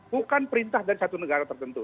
bukan perintah dari satu negara tertentu